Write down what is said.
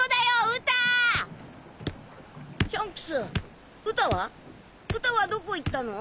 ウタはどこ行ったの？